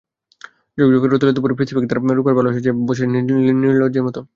ঝকঝকে রোদেলা দুপুরে প্যাসিফিক তার রূপের ডালা সাজিয়ে বসেছে নির্লজ্জের মতো।